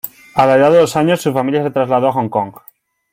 A la edad de dos años, su familia se trasladó a Hong Kong.